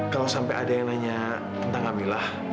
kalau sampai ada yang nanya tentang amilah